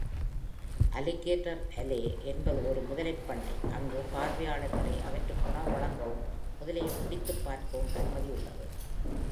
Alligator Alley என்பது ஒரு முதலைப் பண்ணை, அங்கு பார்வையாளர்களே அவற்றுக்கு உணவு வழங்கவும் முதலையைப் பிடித்துப்பார்க்கவும் அனுமதி உள்ளது.